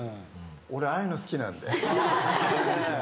俺ああいうの好きなんで。